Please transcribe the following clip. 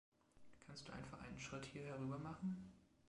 Kannst du einfach einen Schritt hier herüber machen?